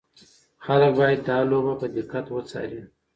خلک باید دا لوبه په دقت وڅاري.